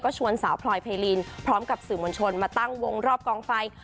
ชวนสาวพลอยเพลินพร้อมกับสื่อมวลชนมาตั้งวงรอบกองไฟ